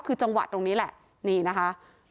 คือจังหวะตรงนี้แหละนี่นะคะ